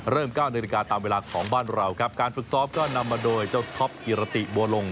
๙นาฬิกาตามเวลาของบ้านเราครับการฝึกซ้อมก็นำมาโดยเจ้าท็อปกิรติบัวลง